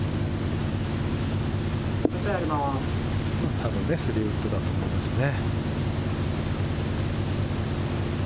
たぶん３ウッドだと思いますね。